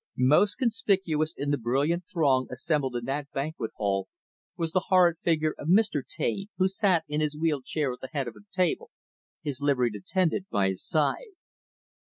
Most conspicuous in the brilliant throng assembled in that banquet hall, was the horrid figure of Mr. Taine who sat in his wheeled chair at the head of the table; his liveried attendant by his side.